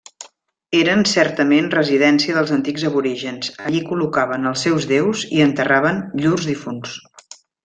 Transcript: Eren certament residència dels antics aborígens; allí col·locaven els seus déus i enterraven llurs difunts.